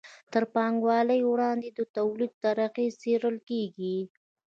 تر پانګوالۍ وړاندې د توليد طریقې څیړل کیږي.